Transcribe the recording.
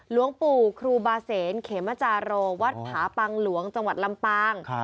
หลวงปู่ครูบาเซนเขมจาโรวัดผาปังหลวงจังหวัดลำปาง